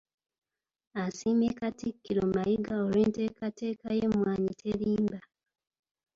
Asiimye Katikkiro Mayiga olw’enteekateeka y’Emmwanyi Terimba.